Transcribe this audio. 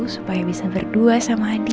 supaya bisa berdua sama adi